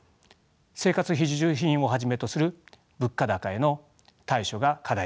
生活必需品をはじめとする物価高への対処が課題です。